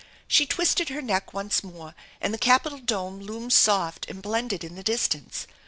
She twisted her neck once more and the Capitol dome loomed soft and blended in the distance.